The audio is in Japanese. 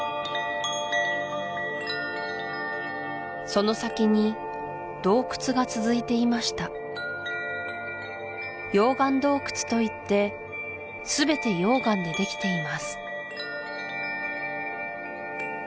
その先に洞窟が続いていました溶岩洞窟といって全て溶岩でできています